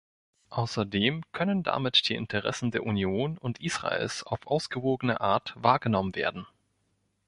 Außerdem können damit die Interessen der Union und Israels auf ausgewogene Art wahrgenommen werden.